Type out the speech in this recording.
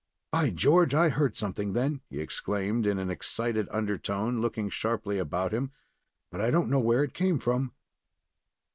"By George! I heard something then!" he exclaimed, in an excited undertone, looking sharply about him; "but I don't know where it came from."